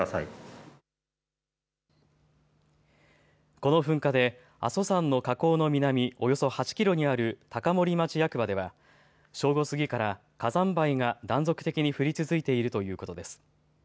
この噴火で阿蘇山の火口の南およそ８キロにある高森町役場では正午過ぎから火山灰が断続的に降り続いているということです。